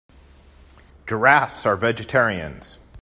Giraffes are vegetarians.